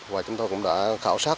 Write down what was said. và chúng tôi cũng đã khảo sát